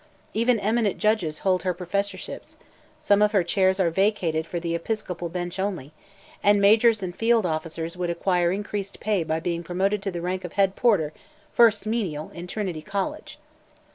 Even eminent judges hold her professorships; some of her chairs are vacated for the Episcopal bench only; and majors and field officers would acquire increased pay by being promoted to the rank of head porter, first menial, in Trinity College.